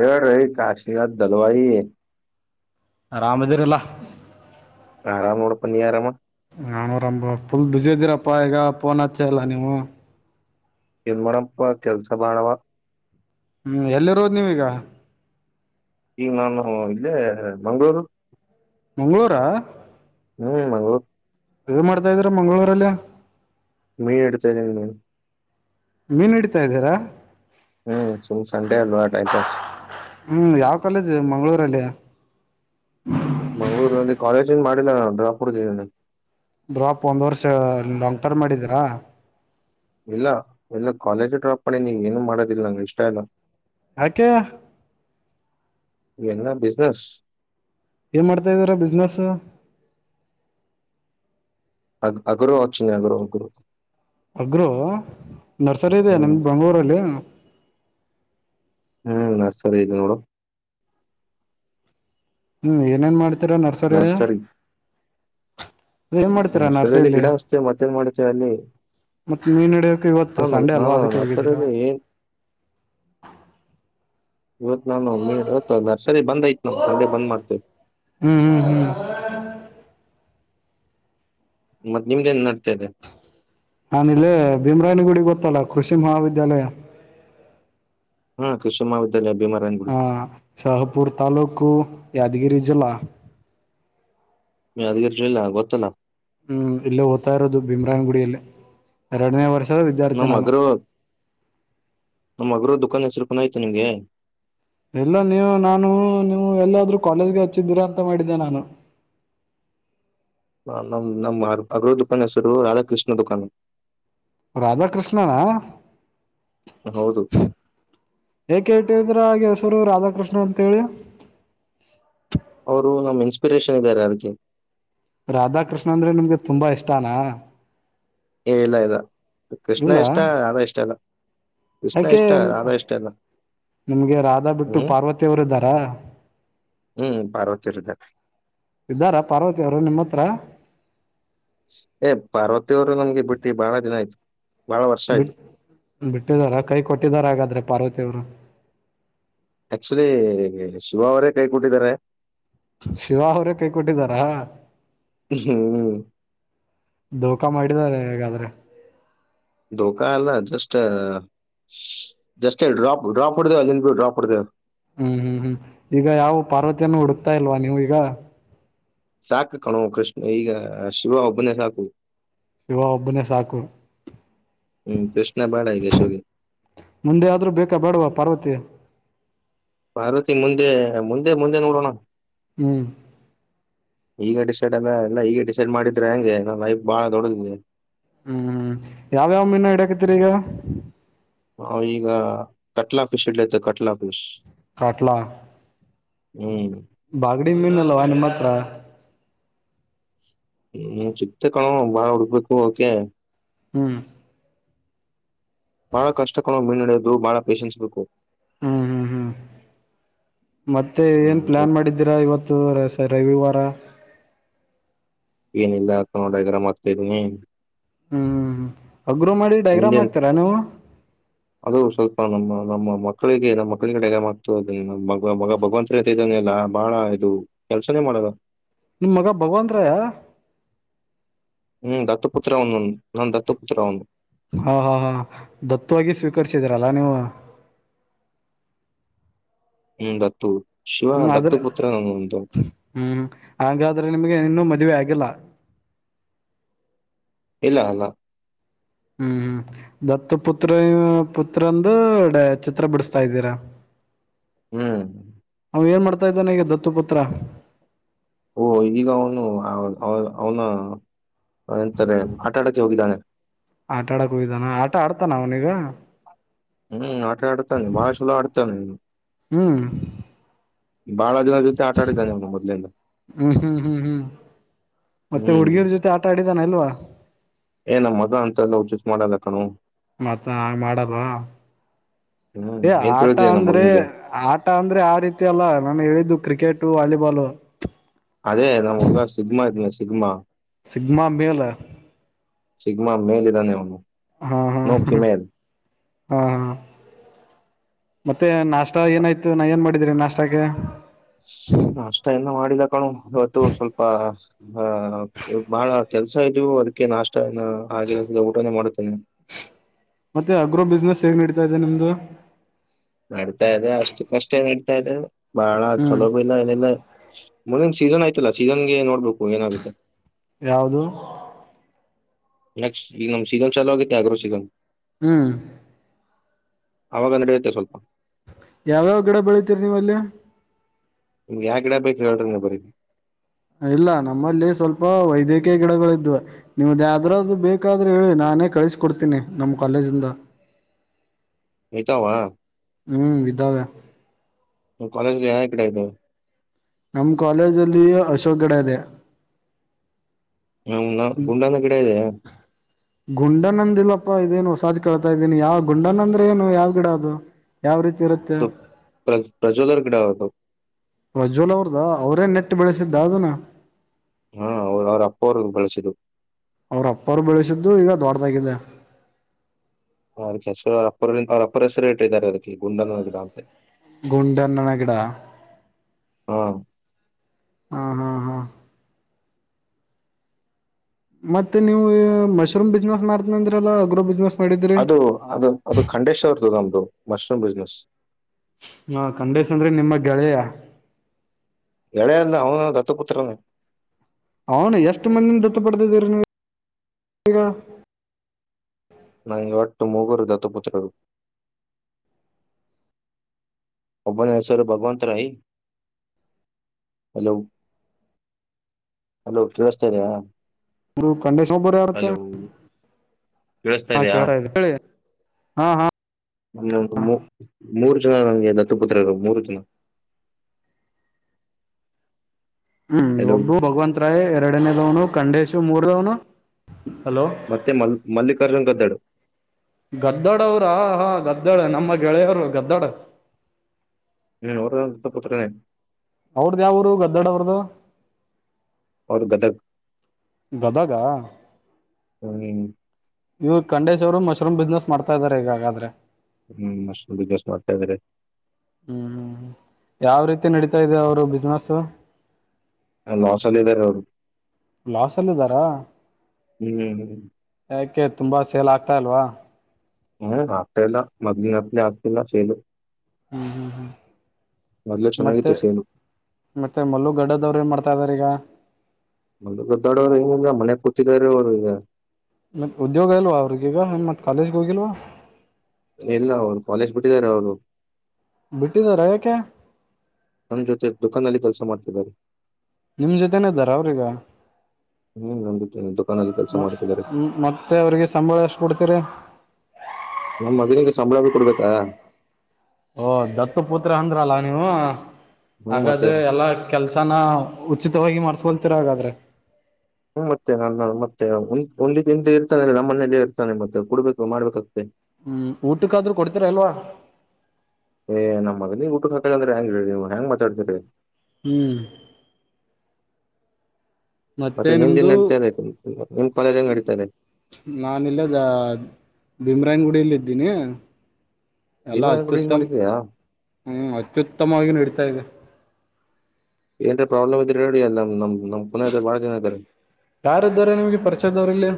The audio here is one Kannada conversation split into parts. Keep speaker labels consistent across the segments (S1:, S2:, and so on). S1: ಹೇಳ್ರಿ ಕಾಶೀನಾಥ ದಳವಾಯಿ
S2: ಆರಾಮದಿರ ಅಲ್ಲ
S1: ಆರಾಮ ನೋಡಪ್ಪ ನೀ ಆರಾಮ
S2: ನಾನಾರಂ ಫುಲ್ ಬುಸಿ ಇದ್ದೀರಪ್ಪಾ ಈಗ ಫೋನ್ ಹಚ್ಚ ಇಲ್ಲಾ ನೀವು
S1: ಇದು ಬರಾಬರ ಕೆಲಸ ಮಾಡವ
S2: ಹ್ಮ್ ಎಲ್ಲಿರೋದು ನೀವೀಗ
S1: ಈಗ ನಾನು ಇಲ್ಲೇ ಮಂಗಳೂರು
S2: ಮಂಗಳೂರಾ
S1: ಹ್ಮ್ ಮಂಗಳೂರ
S2: ಏನ ಮಾಡ್ತಿರಾ ಮಂಗಳೂರಲ್ಲಿ
S1: ಮೀನ ಹಿಡಿತಿದಿನಿ
S2: ಮೀನ್ ಹಿಡ್ತಾ ಇದ್ದೀರಾ.
S1: ಹ್ಮ್ ಸುಮ್ ಸಂಡೆ ಅಲ್ವಾ ಟೈಮ್ ಪಾಸ್
S2: ಹ್ಮ್ ಯಾವ ಕಾಲೇಜು ಮಂಗಳೂರಲ್ಲಿ ಹ
S1: ಮಂಗ್ಳೂರ್ನಲ್ಲಿ ಕಾಲೇಜನ್ ಮಾಡಿಲ್ಲ ನಾ ಡ್ರಾಪ್ಡ್ ದ
S2: ಡ್ರಾಪ್ ಒಂದ್ ವರ್ಷ ಲಾಂಗ್ ಟರ್ಮ್ ಮಾಡಿದೀರಾ
S1: ಇಲ್ಲ ಇಲ್ಲ ಕಾಲೇಜು ಡ್ರಾಪ್ ಮಾಡಿ ನೀ ಏನು ಮಾಡೋದಿಲ್ಲ ನಂಗ ಇಷ್ಟ ಇಲ್ಲ
S2: ಯಾಕೆ
S1: ಎನ್ನ ಬಿಜನೆಸ್
S2: ಏನ್ ಮಾಡ್ತಾದೀರ ಬಿಸ್ನೆಸ್
S1: ಅಗರು ಅನ ಆಗರು ಅಗರು
S2: ಅಗರು ನರ್ಸರಿ ಇದೆ
S1: ಹ್ಮ್
S2: ನಮ್ದ ಬೆಂಗಳೂರಲ್ಲಿ
S1: ಹ್ಮ್ ನರ್ಸರಿ ಇ ನೋಳೋ
S2: ಹ್ಮ್ ಏನೇನ್ ಮಾಡ್ತ ಚತ್ರ ನರ್ಸರಿ ಏನ್ ಮಾಡ್ತೀರಾ
S1: ನರ್ಸರಿಯಲ್ಲಿ
S2: ನರ್ಸರಿಲಿ
S1: ಗಿಡ ಹಚ್ತೇವೆ ಮತ್ತೇನ್ ಮಾಡ್ತೇವೆ ಅಲ್ಲಿ
S2: ಮತ್ತ ಮೀನ್ ಹಿಡಿಯೋಕ ಇವತ್ತು
S1: ನಾನು
S2: ಸಂಡೆ ಅಲ್ವಾ
S1: ನಾನು
S2: ಅದಕ್ಕೆ ಹೋಗಿದ್ದೀರಾ.
S1: ನರ್ಸರಿಯಲ್ಲಿ ಏನ್ ಇವತ್ ನಾನು ಮೇ ಇವತ್ತು ನರ್ಸರೀ ಬಂದ್ ಐಯ್ತ್ ನಮ ಸಂಡೆ ಬಂದ್ ಮಾಡ್ತೇವಿ
S2: ಹ್ಮ್ ಹ್ಮ್
S1: ಮತ್ತ ನಿಮಗೆೇನ್ ನಡ್ತದೆ
S2: ನಾನ ಇಲ್ಲೇ ಭೀಮ್ರಾಯಾನಗುಡಿ ಗೊತ್ತಲ್ಲ ಕೃಷಿ ಮಹಾವಿದ್ಯಾಲಯ
S1: ಹ್ಮ ಕೃಷಿ ಮಾಡ
S2: ಹಾ ಶಹಪುರ್ ತಾಲೂಕು ಯಾದಗಿರಿ ಜಿಲ್ಲಾ
S1: ನೀ ಅದಗಿಲ್ಲ ಗೊತ್ತಲ್ಲಾ
S2: ಹ್ಮ್ ಇಲ್ಲೇ ಓ್ತ ಇರೋದು ಭೀಮ್ರಾನ್ ಗುಡಿಯಲ್ಲಿ ಎರಡನೇ ವರ್ಷ
S1: ನಮ್ಮ ಮಗ್ರ ನಮ್ಮಗ್ರ ದ ದುಕಾನ ಸರುಪನ ಆಯ್ತು ನಿಮಗೆ
S2: ಎಲ್ಲ ನೀವು ನಾನು ನೀವು ಎಲ್ಲಾದ್ರೂ ಕಾಲೇಜ್ಗೆ ಹಚ್ಚಿದ್ದೀರಾ ಅಂತ ಮಾಡಿದ್ದೆ ನಾನು..
S1: ಹ ನಮ್ಮ್ ನಮ್ಮ್ ಅಗ್ರ ದುಖಾನ್ ಹೆಸರು ರಾಧಾಕೃಷ್ಣ ದುಖಾನ್.
S2: ರಾಧಾಕೃಷ್ಣನ.
S1: ಹೌದು.
S2: ಅ್ರ ಹೆಸರು ರಾಧಾಕೃಷ್ಣ ಅಂತ ಹೇಳಿ.
S1: ಅವರು ನಮ್ಮ್ೆನ್ಸ್. ಪಿರೇಷನ್ ಇದಾರೆ.
S2: ರಾಧಾಕೃಷ್ಣ ಅಂದ್ರೆ ನಿಮ್ಗೆ ತುಂಬಾ ಇಷ್ಟಾನ.
S1: ಏ ಇಲ್ಲ ಇಲ್ಲ
S2: ಇಲ್ಲ
S1: ಕೃಷ್ಣ ಇಷ್ಟ ಯಾರ ಇಷ್ಟ ಇಲ್ಲ. ಕೃಷ್ಣ
S2: ಯಾಕೆ
S1: ಇಷ್ಟ ರಾಧಾ ಇಷ್ಟ ಇಲ್ಲ
S2: ನಿಮ್ಗೆ ರಾಧಾ ಬಿಟ್ಟು
S1: ಹ್ಮ್
S2: ಪಾರ್ವತವರು ಇದ್ದಾರಾ
S1: ಹ್ಮ್ ಪಾರ್ವತಿ ಅವ್ರ ಇದ್ದಾರೆ
S2: ಇದ್ದಾರಾ ಪಾರ್ವತ ಅವರು ನಿಮ್ಮ ಹತ್ರ.
S1: ಏ ಪಾರ್ವತಿಯವರು ನಮ್ಗೆ ಬಿಟ್ಟ್ರಿ ಬಾಳ ದಿನ ಆಯ್ತು. ಬಹಳ ವರ್ಷ ಆಯ್ತು
S2: ಬಿಟ್ಟ ಬಿಟ್ಟಿದಾರ ಕೈ ಕೊಟ್ಟಿದಾರ ಹಾಗಾದ್ರೆ ಪಾರ್ವತಿ. ತ್ತರು.
S1: ಆಕ್ಚುಲಿ ಶಿವ ಅವರೇ ಕೈ ಕೊಟ್ಟಿದ್ದಾರೆ.
S2: ಶಿವ ಅವರೇ ಕೈ ಕೊಟ್ಟಿದಾರ.
S1: ಹ್ಮ್
S2: ೋಖಾ ಮಾಡಿದಿದ್ದಾರೆ ಹೇಗಾದ್ರೆ.
S1: ಖಾ ಅಲ್ಲ ಜಸ್ಟ್ ಜಸ್ೇ ಡ್ರಾಪ್ ಡ್ರಾಪ್ ಹೊಡ್ದೇವ ಅನ್ ಬಿ ಡ್ರಾಪ್ ಹೊ್ದೇವ.
S2: ಹ್ಮ್ ಹ್ಮ್ ಹ್ಮ್ ಈಗ ಯಾವ ಪಾರ್ವತಿಯನ್ನು ಹುಡುಕ್ತಾ ಇಲ್ವಾ ನೀವು ಈಗ.
S1: ಸಾಕು ಕಣೋ ಕೃಷ್ಣ ಈಗ ಶಿವ ಒಬ್ಬನೇ ಸಾಕು
S2: ಶಿವ ಒಬ್ಬನೇ ಸಾಕು
S1: ಹ್ಮ್ ಕೃಷ್ಣ ಬೇಡ ಈಗ ಶಿವಗೆ
S2: ಮುಂದೆ ಆದ್ರೂ ಬೇಕಾ ಬೇಡವಾ ಪಾರ್ವತಿ
S1: ಪಾರ್ವತಿ ಮುಂದೆ ಮುಂದೆ ಮುಂದೆ ನೋಡೋಣ
S2: ಹ್ಮ್
S1: ಈಗ ಡಿಸೈಡ್ ಅಲ್ಲ ಎಲ್ಲ ಈಗ ಡಿಸೈಡ್ ಮಾಡಿದ್ರೆ ಹೆಂಗೆ ನಾ ಲೈಫ್ ಬಾಳ ದೊಡದಗೆ
S2: ಹ್ಮ್್ಮ ಯಾವ್ಯಾವ ಮೀನು ಹಿಡಾಕತ್ತೀರಿ ಈಗ
S1: ಹ ಈಗ ಕಟ್ಲಾ ಫಿಶ್ ಇಡ್ಲತೆ ಕಟ್ಲಾ ಫಿಶ್
S2: ಕಾಟ್ಲ
S1: ಹ್ಮ್
S2: ಬಾಗಡಿ ಮೀನುಲ್ಲ ಮಾತ್ರ
S1: ಹ್ಮ್ ಸಿಕ್ತೆ ಕಣು ಬಾಳ ಹುಡ್ಕ್ಬೇಕು ಕೆ
S2: ಹ್ಮ್
S1: ಬಾಳ ಕಷ್ಟಕೊಳ್ಳೋ ಮಿನ್ನಡೆಯೋದು ಬಹಳ ಪೇೇಶನ್ಸ್ ಬೇಕು
S2: ಹ್ಮ್ ಹ್ಮ್ ಹ್ಮ್ ಮತ್ತೆ ಏನ್
S1: ಹ್ಮ್
S2: ಪ್ಲಾನ್ ಮಾಡಿದ್ದೀರಾ ಇವತ್ತು ರವಿವಾರ
S1: ಏನಿಲ್ಲ ಅ ನೋಡಗರ ಮಾ್ತಾ ಇದೀನಿ
S2: ಹ್ಮ್ ಹ್ಮ್ಮ ಅಗ್ರೋ ಮಾಡಿ ಡೈಗ್ರಾಮ್
S1: ನಿಂದೇನ್
S2: ಆಗ್ತಾರಾ ನೀವು
S1: ಅದು ಸ್ವಲ್ಪ ನಮ್ಮ ನಮ್ಮ ಮಕ್ಕಳಿಗೆ ನಮ್ಮ ಮಕ್ಳ ಕಡೆ ಎಲ್ಲ ಮತ ಅ ಮ ಭಗವಂತ ಶೀತೆ ಇದಾನೆ ಎಲ್ಲ ಬಾಳ ಇದು ಕೆಲ್ಸನೇ ಮಾಡದ
S2: ನಿಮ್ಮ್ ಮಗ ಭಗವಂತ್ರ
S1: ಹ್ಮ್ ದತ್ತಪುತ್ರ ಅವನು ನನ್ನ ದತ್ತಪುತ್ರ ಅವನು
S2: ಹಾ ಹಾ ಹಾ ದತ್ತವಾಗಿ ಸ್ವೀಕಸಿದಿರಲ್ಲ ನೀವು
S1: ಹ್ಮ್ ದತ್ತು ಶಿವ
S2: ಹ್ಮ ಆದ್ರೆ
S1: ದತ್ತುಪುತ್ರ ನನ್ನೊಂದು
S2: ಹ್ಮ್ ಹಾಗಾದ್ರೆ ನಿಮ್ಗೆ ಇನ್ನೂ ಮದ್ವೆ ಆಗ್ ಗಿಲ್ಲ
S1: ಇಲ್ಲ ಅಲ್ಲ
S2: ಹ್ಮ್ ಹ್ಮ್ ದತ್ತು ಪುತ್ರ ಪುತ್ರಂದುಡ ಚಿತ್ರ ಬಿಡಿಸ್ತಾ ಇದ್ದೀರ.
S1: ಹ್ಮ್
S2: ಅವ ಏನ್ ಮಾಡ್ತಾ ಇದ್ದಾನ ಈಗ ದತ್ತುಪುತ್ರ.
S1: ಓ ಈಗ ಅವನು ಅವ್ ಅವ್ನ ಎಂತಾರೆ ಆಟ ಆಡಕ್ಕೆ ಹೋಗಿದ್ದಾನೆ.
S2: ತಾನ ಅವ್ನಿಗ.
S1: ಹ್ಮ್ ಅಟ ಅಡ್ತಾನೆ ಬಾಳ ಚಲೋ ಅಡ್ತಾನೆ.
S2: ಹ್ಮ್
S1: ಬಳ ಜನ ಜೊತೆ ಆಟ ಆಡಿದಾನೆ ಇವ್ನು ಮೊದ್ಲಿಂದ
S2: ಹ್ಮ್ ಹ್ಮ್ ಹ್ಮ್ ಹ್ಮ್ ಮತ್ತೆ
S1: ಹ್ಮ್.
S2: ಹುಡ್ಗಿರ್ ಜೊತೆ ಆಟ ಆಡಿದಾನ ಇಲ್ವಾ.
S1: ಏ ನಮ್ಮ ಮಗ ಅಂತಲ್ಲ ಹಚಿಸ್ ಮಾಡಲ್ಲ ಕಣೋ.
S2: ಮತ್ತ ಹ ಮಾಡಲ್ವಾ
S1: ಹ್ಮ್
S2: ಏ
S1: ಏನ್
S2: ಆಟ
S1: ತಿಳಿದಿದೆ ನಮ್
S2: ಅಂದ್ರೆ
S1: ಮಗನಿಗೆ
S2: ಆಟ ಅಂದ್ರೆ ಆ ರೀತಿಯಲ್ಲ ನಾನ ಹೇಳಿದ್ದು. Cricket volleyball.
S1: ಸಿಗ್ಮ.
S2: ಸಿಗ್ಮಾ ಮೇಲ
S1: ಸಿಗ್ಮಾ ಮೇಲಿದ್ದಾನೆ ಅವನು.
S2: ಹಾ ಹಾ
S1: ನೋ
S2: ಹ
S1: ಫಿಮೇಲ್
S2: ಹಾ ಹಾ ಮತ್ತೆ ನಾಷ್ಟ ಏನಾಯ್ತು ನಾ ಏನ್ ಮಾಡಿದ್ರಿ ನಾಷ್ಟಗೆ.
S1: ನಾಷ್ಟ ಏನ ಮಾಡಿದ ಕಣೋ ಇವತ್ತು ಸ್ವಲ್ಪ ಅಹ ಬಹಳ ಕೆಲ್ಸ ಇದವು ಅದಕ್ಕೆ ನಾಷ್ಟ ಏನ ಹಾಗೆ ಊಟನೆ ಮಾಡುತ್ತೇನೆ.
S2: ಮತ್ತೆ ಅಗ್ರೋ ಬಿಸ್ನೆಸ್ ಹೇಗ್ ನೀಡ್ತಾ ಇದೆ ನಿಮ್ದು.
S1: ನಡ್ತಾ ಇದೆ ಅಷ್ಟು ಕಷ್ಟ ನಡಿತಾ ಇದೆ. ಬಳ
S2: ಹ್ಮ್
S1: ಚಲೋ ಭೈ ನ ಇಲ್ಲ ಏನಿಲ್ಲ. ಮೊನ್ನೆ ಒಂದ್ ಸೀಸನ್ ಆಯ್ತಲ್ಲ ಸೀಸನ್ಗೆ ನೋಡ್ಬೇಕು. ಏನಾಗುತ್ತೆ
S2: ಯಾವುದು
S1: ನೆಕ್ಸ್ಟ್ ಈಗ ನಮ್ ಸೀಸನ್ ಚಲೋ ಆಗುತ್ತೆ ಆಗ್ರೋ ಸೀಸನ್.
S2: ಹ್ಮ್
S1: ಅವಾಗ ನಡೆಯುತ್ತೆ ಸ್ವಲ್ಪ.
S2: ಯಾವ್ಯಾವ ಗಿಡ ಬೆಳಿತೀರಿ ನೀವಲ್ಲಿ,
S1: ನಿಮ್ಗೆ ಯಾ ಗಿಡ ಬೇಕ್ ಹೇಳ್ರಿ ನೀವ್ ಬರೀಲ್ಲಿ.
S2: ಇಲ್ಲ ನಮ್ಮಲ್ಲಿ ಸ್ವಲ್ಪ ವೈದ್ಯಕೀಯ ಗಿಡಗಳಿದ್ವು ನೀವು ದ ಯಾವ್ದೃದ್ ಬೇಕಾದ್ರೂ ಹೇಳಿ ನಾನೇ ಕಳ್ಸಕೊಡ್ತೀನಿ ನಮ್ಮ ಕಾಲೇಜಿಂದ.
S1: ಐತವ.
S2: ಹ್ಮ್ ವಿದ್ದಾವೇ
S1: ಕಾಲೇಜ್ ಯಾ ಯಾ ಈ ಕಡೆ ಇದ್ದಾವೆ.
S2: ನಮ್ ಕಾಲೇಜಲ್ಲಿ ಅಶೋಕ್ ಗಿಡ ಇದೆ.
S1: ಗುಂಡನ ಗಿಡ ಇದೆ
S2: ಗುಂಡ ನಂದಿಲ್ಲಪ್ಪ ಇದೇನು ಹೊಸಾದ್ ಕೇಳ್ತಾ ಇದ್ದೀನಿ ಯಾವ ಗುಂಡನ ಅಂದ್ರೆ ಏನು ಯಾವ್ ಗಿಡ ಅದು ಯಾವ ರೀತಿ ಇರುತ್ತೆ
S1: ಪ್ರ ಪ್ರಚೋದನ ಗಿಡವ
S2: ಪ್ರಜ್ವಲ್ ಅವ್ರದ ಅವ್ರೇ ನೆಟ್ ಬೆಳೆಸಿದ್ದ ಅದನ.
S1: ಹಾ ಅವ ಅವ್ರ ಅಪ್ಪ ಅವ್ರ ಬೆಳಸಿದ್ದ್
S2: ಅವ್ರ ಅಪ್ಪ ಅವರು ಬೆಳೆಸಿದ್ದು ಈಗ ದೊಡ್ದಾಗಿದೆ
S1: ಅದಕ್ಕೆ ಹೆಸರು ಅ ಅವ್ರ ಅಪ್ಪರ ಹೆಸರೆ ಇಟ್ಟಿದಾರೆ ಅದಕ್ಕೆ ಗುಂಡನ ಗಿಡ ಅಂತೆ.
S2: ಗುಂಡನ ಗಿಡ
S1: ಹಾ
S2: ಹಾ ಹಾ ಹಾ ಮತ್ತೆ ನೀವು ಮಶ್ರೂಮ್ ಬಿಸ್ನೆಸ್ ಮಾಡ್ತ್ನ್ ಅಂದ್ರಲ್ಲ ಅಗ್ರೋ ಬಿಸ್ನೆಸ್ ಮಾಡಿದ್ರಿ
S1: ಅದು ಅದು ಅದು ಖಂಡೇಶ್ವರ್ದು ನಮ್ದು ಮಶ್ರೂಮ್ ಬಿಸ್ನೇಸ್
S2: ಹಾ ಖಂಡೇಶ ಅಂದ್ರೆ ನಿಮ್ಮಗ್ ಗೆಳೆಯ
S1: ಎಳೆಯ ಇಲ್ಲ ಅವನು ದತ್ತಪುತ್ರನೆ
S2: ಅವನು ಎಷ್ಟ ಮಂದಿನ ದತ್ತ ಪಡೆದಿದ್ದೀರಿ ನೀವು ಈಗ?
S1: ನಂಗೆ ಒಟ್ಟು ಮೂಗರು ದತ್ತಪುತ್ರರು ಒಬ್ಬನ ಹೆಸರು ಭಗವಂತ ರಾಯ ಹಲೋ ಹಲೋ ಕೇಳುಸ್ತಾ ಇದಿಯಾ?
S2: ಬ್ರು ಖಂಡೇಶ್ ಒಬ್ರು ಯರುತ್ತೆ.
S1: ಕೇಳಸ್ತಾ ಇದಿಯಾ?
S2: ಹಾ
S1: ಮೂರು ಜನ ನಂಗೆ ದತ್ತಪುತ್ರರು ಮೂರು ಜನ
S2: ಹ್ಮ್
S1: ಹಲೋ
S2: ಒಬ್ಬ ಭಗವಂತ್ ರಾಯ್ ಎರಡನೇದವನು ಖಂಡೇಶು ಮೂರದವನು ಹಲೋ
S1: ಮತ್ತೆ ಮ ಮಲ್ಲಿಕಾರ್ಜುನ್ ಗದ್ದಡು
S2: ಗದ್ದಡ ಅವ್ರಾ ಹಾ ಗದ್ದಡ್ ನಮ್ಮ ಗೆಳೆಯರು ಗದ್ದಡು
S1: ಹ್ಮ ಅವ್ರ್ ಅಂತ ಪತ್ರನೆ
S2: ಅವ್ರ್ದ ಯಾವರು ಗದ್ದಡ ಅವ್ರ್ದ
S1: ಅವ್ರು ಗದಗ್
S2: ಗದಗ
S1: ಹ್ಮ
S2: ಕಂಡೇಶ್ವರು ಮಶ್ರೂಮ್ ಬಿಸ್ನೆಸ್ ಮಾಡ್ತಾ ಇದ್ದಾರೆ ಈಗಾಗಾದ್ರೆ
S1: ಹ್ಮ್ ಮಶ್ರೂಮ್ ಬಿಸ್ನೆಸ್ ಮಾಡ್ತಾ ಇದಾರೆ.
S2: ಹ್ಮ್ ಯಾವ ರೀತಿ ನಡೀತ ಇದೆ ಅವರು ಬಿಸ್ನೆಸ್?
S1: ಹ ಲಾಸ್ ಅಲಿದಾರೆ ಅವರು
S2: ಲಾಸ್ ಅಲ್ಲಿ ಇದಾರಾ
S1: ಹ್ಮ್
S2: ಯಾಕೆ ತುಂಬಾ ಸೇಲ್ ಆಗ್ತಾ ಇಲ್ವಾ?
S1: ಹ ಹತ್ತೆಲ್ಲ ಮದ್ಲಿನಂತೆ ಆಗ್ತಿಲ್ಲ ಸೇಲು.
S2: ಹ್ಮ್ ಹ್ಮ್ ಹ್ಮ್
S1: ಮೊದ್ಲು
S2: ಮತ್ತೆ
S1: ಚೆನ್ನಾಗಿತ್ತು ಸೇಲು
S2: ಮತ್ತೆ ಮಲ್ಲು ಗಡ್ಡದವ್ರು ಏನ್ ಮಾಡ್ತಾ ಇದಾರೀಗ?
S1: ಮದು ಗದ್ದಡೋರು ಏನಿಲ್ಲ ಮನೆಗ್ ಕೂತಿದಾರೆ ಅವ್ರು ಈಗ.
S2: ಮತ್ತ ಉದ್ಯೋಗ ಇಲ್ವಾ ಅವ್ರಿಗೆಗ ಮತ್ತ ಕಾಲೇಜ್ಗೆ ಹೋಗಿಲ್ವಾ?
S1: ಇಲ್ಲ ಅವ್ರು ಕಾಲೇಜ್ ಬಿಟ್ಟಿದ್ದಾರೆ ಅವರು
S2: ಬಿಟ್ಟಿದಾರ ಯಾಕೆ
S1: ನನ್ನ ಜೊತೆ ದುಕಾನ ಅಲ್ಲಿ ಕೆಲಸ ಮಾಡ್ತಿದ್ದಾರೆ
S2: ನಿಮ್ ಜೊತೆೇನ ಇದ್ದಾರ ಅವ್ರೀಗ
S1: ಹ್ಮ್ ನಂದುತ್ತ
S2: ಮ್ಮ್ ಮತ್ತೆ ಅವ್ರಿಗೆ ಸಂಬಳ ಎಷ್ಟು ಕೊಡ್ತೀರಿ
S1: ನಮ್ಮ ಮದ್ುವಿಗೆ ಸಂಬಳ ಭೀ ಕೊಡ್ಬೇಕಾ
S2: ಓ ದತ್ತು ಪುತ್ರ ಅಂದ್ರಲ್ಲ ನೀವು
S1: ಹ್ಮ್ ಮತ್ತೆ
S2: ಹಾಗಾದ್ರೆ ಎಲ್ಲಾ ಕೆಲ್ಸಾನ ಉಚಿತವಾಗಿ ಮಾಡ್ಸ್ಕೊ ಉತರಾಗಾದ್ರ
S1: ಹೂ ಮತ್ತೆ ನನ್ನ ಮತ್ತೆ ಒಂದಿಂದ ಇರ್ತಾನ ನಮ್ಮ ಮನೇಲ್ಲೇ ಇರ್ತಾನೆ ಮತ್ತೆ ಕುಡ್ಬೇಕು ಮಾಡ್ಬೇಕತ
S2: ಹೂ ಊಟಕ್ಕಾದ್ರೂ ಕೊಡ್ತರ ಇಲ್ವಾ
S1: ಯಂದ್ರೆ ಹೆಂಗ್ರೀ ನೀವು ಹ ಹೆಂಗ ಮಾತಾಡೀ್ರರಿ
S2: ಹೂ ಮತ್ತೆ
S1: ನಿಮ್ದೇನ್
S2: ನಿಮ್ದು
S1: ನಡೀತಾ ಇದೆ ನಿಮ್ ಕಾಲೇಜ್ ಹೆಂಗ್ ನಡೀತಾ ಇದೆ
S2: ನಾನ ಇಲ್ಲದ ಬಿಮ ಭೀಮರಾಯಣಗುಡಿಯಲ್ಲ ಇದ್ದೀನಿ ಎಲ್ಲ
S1: ಭೀಮಾ ಯೂಸ್
S2: ಅತ್ಯುತ್ತಮ್
S1: ಮಾಡಿದ್ಯಾ
S2: ಹೂ ಅತ್ಯುತ್ತಮವಾಗಿ ನಡೀತಾ ಇದೆ
S1: ಏರ ಪ್ರಾಬ್ಲ್ ಇದಡಿ ಅಲ್ಲ ನಮ
S2: ಯಾರ್ದಾರ ನಿಮ್ಗೆ ಪರಿಚಯದವ್ರಲ್ಲಿ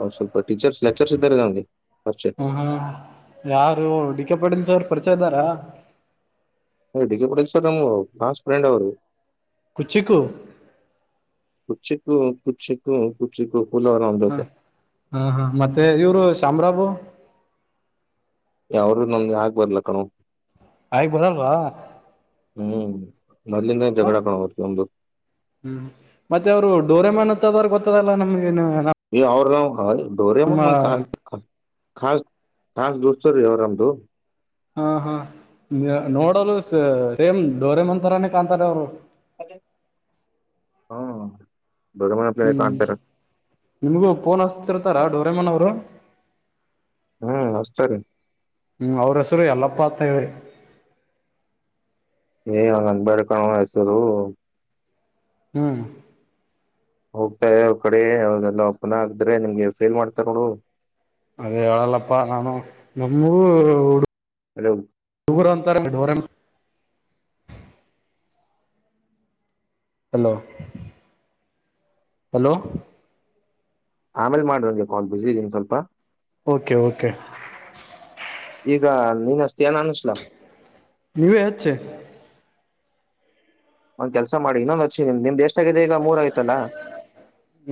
S1: ಹ ಸ್ವಲ್ಪ ಟೀಚರ್ಸ್ ಲೆಕ್ಚರ್ಸ್ ಇದ್ದಾರೆಗೆ
S2: ಹೂ ಹೂ ಯಾರು ಡಿ ಕೆ ಪಾಟೀಲ ಸರ್ ಪರಿಚಯದಾರ
S1: ಡಿಿಕಿ ಪರೀಕ್ಷ ನ ಕ್ಲಾಸ್ ಫ್ರೆಂಡ್ ಅವರು
S2: ಕುಚ್ಚಿಕ್ಕು
S1: ಕೂಚ್ಚಿಕ್ಕೂ ಕುಚ್ಚಿಕ್ಕೋ ಕುಚ್ಚಿಕೋ
S2: ಹಾ ಹಾ ಹಾ ಮತ್ತೆ ಇವರು ಶಾಮ್ರಾಬು
S1: ಯಾವರು ನಮ್ಗೆ ಆಗ್ ಬರ್ಲ ಕಣೋ
S2: ಹಾಗಗ್ ಬರಲ್ವಾ
S1: ಹ್ಮ್ ಮೊದ್ಲಿಂದ ಜಗಳ ಕಣೋ ಅವ್ರು ನಮ್ದು
S2: ಹೂ ಮತ್ತೆ ಅವರು ಡೋರೆಮನ್ ಗೊದ ಗೊತ್ತದಲ್ಲ ನಮಗೆ
S1: ಈ ಅವ್ರ ನವು ಡೋರೆ ಮ ಕ ಾಸ ಾಸ ದೋಸ್ತ ರೀ ಅವರಾಮದು
S2: ಹಾ ಹಾ ನೋಡಲು ಸೇಮ್ ಡೋರೆಮಾನ್ ತಾರಾ ನೇ ಕಾಣ್ಂತಾರೆ ಅವರು
S1: ಹಹೂ
S2: ಹೂ ನಿಮಗೂ ಪೋನ್ ಹಸ್ತಿರ ಹತಾರ ಡೋರೆೇಮ್ಮನ ಅವರು
S1: ಹ್ಮ್ ಹಚ್ತಾರೆ
S2: ಹೂ ಅವ್ರ ಹೆಸರು ಎಲ್ಲ ಪಾತಗಳು
S1: ಏ ನಂಗ ಬರ್ಕಣ ಹೆಸೂರು
S2: ಹೂ
S1: ಹೋಗ್ತಾ ಇ ಅವ್ರ ಕಡೆ ಅವೆಲ್ಲ ಪನ ಆಗಿದ್ರೆ ನಿಮ್ಗೆ ಫೇಲ್ ಮಾಡ್ತಾರ ನೋಡು
S2: ಅದೇ ಅವಳಲ್ಲಪ್ಪಾ ನಾನು ನಮಗೂ ಹಡು
S1: ಹದು
S2: ಪುರಾಂತರ ಮಢೋರಂ ಹಲೋ ಹಲೋ
S1: ಆಮೇಲೆ ಮಾಡು ಕಾಲ್ ನನಗೆ ಬ್ಯುಸಿ ಇದೀನಿ ಸ್ವಲ್ಪ
S2: ಓಕೆ ಓಕೆ
S1: ಈಗ ನೀನ್ ಹಚ್ಚಿತಿಯ ನಾನ್ ಹಚ್ಚಿಲ
S2: ನೀವ ಹಚ್ಚಿ
S1: ಒಂದ್ ಕೆಲಸ ಮಾಡಿ ಇನ್ನೊಂದ್ ಹಚ್ಚಿ ನಿಮ್ ಎಷ್ಟ್ ಎಷ್ಟು ಆಗಿದೆಈಗ ಮೂರ ಆಯ್ತಲ್ಲಾ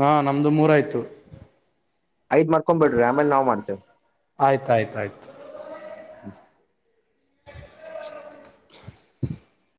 S2: ಹಾ ನಮ್ದು ಮೂರಯ್ತು
S1: ಐದ್ ಮಾಡ್ಕೊಂಡ್ ಬಿಡ್ರಿ ಆಮೇಲೆ ನಾವ್ ಮಾಡ್ತೇವೆ
S2: ಆಯ್ತಾಯ್ತಾಯ್ತು [unintelligible]